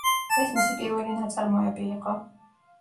ეს მისი პირველი ნაწარმოები იყო.